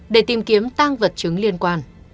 để tìm kiếm tăng vật chứng liên quan